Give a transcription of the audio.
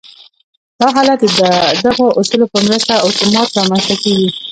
دا حالت د دغو اصولو په مرسته اتومات رامنځته کېږي